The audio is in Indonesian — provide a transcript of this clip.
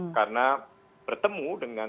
karena bertemu dengan